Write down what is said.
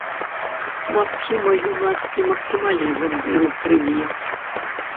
Магчыма, юнацкі максімалізм быў у крыві.